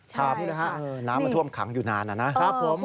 ใช่น้ำมันท่วมขังอยู่นานน่ะนะครับ